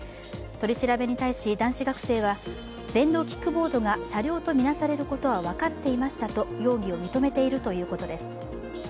取り調べに対し男子学生は電動キックボードが車両と見なされることは分かっていましたと容疑を認めているということです。